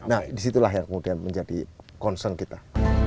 nah disitulah yang kemudian menjadi concern kita